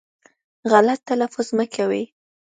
غلط تلفظ مه کوی